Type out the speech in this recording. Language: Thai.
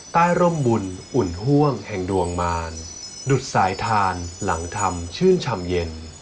ร่มบุญอุ่นห่วงแห่งดวงมารดุดสายทานหลังทำชื่นชำเย็น